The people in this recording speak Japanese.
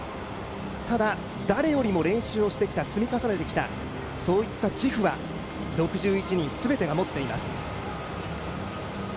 ただ、誰よりも練習をしてきた、積み重ねてきた、そういった自負は６１人、全てが持っています。